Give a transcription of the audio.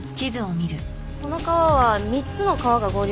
この川は３つの川が合流しています。